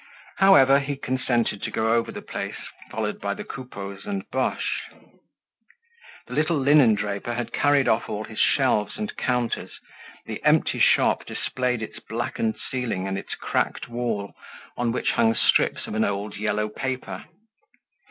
However, he consented to go over the place, followed by the Coupeaus and Boche. The little linen draper had carried off all his shelves and counters; the empty shop displayed its blackened ceiling and its cracked wall, on which hung strips of an old yellow paper.